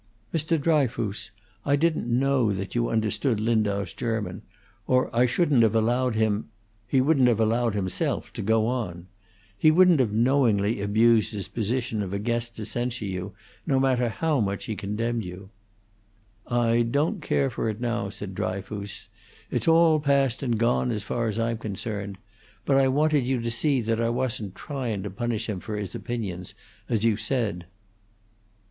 "Mr. Dryfoos, I didn't know that you understood Lindau's German, or I shouldn't have allowed him he wouldn't have allowed himself to go on. He wouldn't have knowingly abused his position of guest to censure you, no matter how much he condemned you." "I don't care for it now," said Dryfoos. "It's all past and gone, as far as I'm concerned; but I wanted you to see that I wasn't tryin' to punish him for his opinions, as you said."